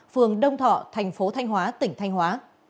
phường đông thọ tp thanh hóa tỉnh thanh hóa